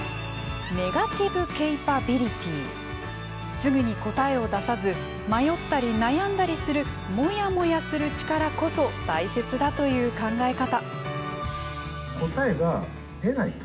すぐに答えを出さず迷ったり、悩んだりするモヤモヤする力こそ大切だという考え方。